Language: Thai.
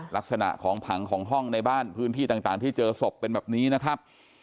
ลักษณะของผังของห้องในบ้านพื้นที่ต่างที่เจอศพเป็นแบบนี้นะครับ